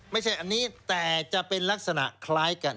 ไม่ใช่อันนี้แต่จะเป็นลักษณะคล้ายกัน